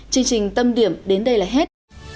chương trình tâm điểm đến đây là hết